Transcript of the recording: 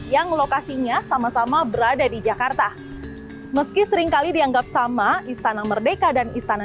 yang lokasinya sama sama berada di jakarta meski seringkali dianggap sama istana merdeka dan istana